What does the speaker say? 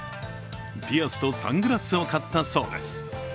ピアスとサングラスを買ったそうです。